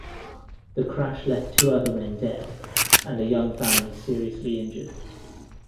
The crash left two other men dead and a young family seriously injured.